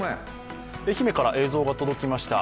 愛媛から映像が届きました。